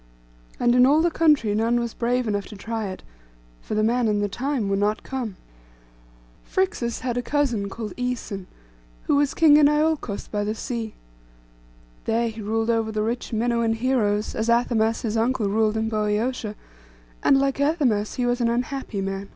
And in all the country none was brave enough to try it; for the man and the time were not come. Phrixus had a cousin called Æson, who was king in Iolcos by the sea. There he ruled over the rich Minuan heroes, as Athamas his uncle ruled in Boeotia; and, like Athamas, he was an unhappy man.